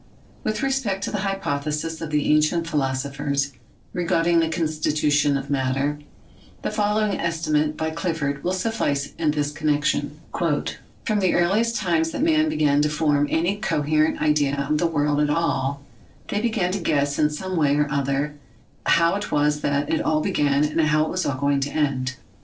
With respect to the hypotheses of the ancient philosophers regarding the constitution of matter, the fol lowing estimate by Clifford will suffice in this connection : "From the earliest times that men began to form any coherent idea of [the world] at all, they began to guess in some way or other how it was that it all began, and how it was all going to end.